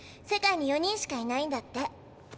世界に４人しかいないんだって。